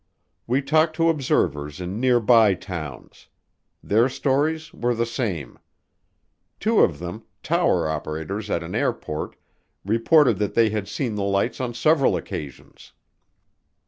We talked to observers in nearby towns. Their stories were the same. Two of them, tower operators at an airport, reported that they had seen the lights on several occasions.